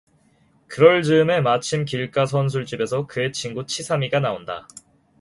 그럴 즈음에 마침 길가 선술집에서 그의 친구 치삼이가 나온다.